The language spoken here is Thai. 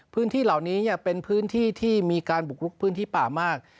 พื้นที่เหล่านี้เป็นพื้นที่ที่มีการบุกลุกพื้นที่ป่ามาก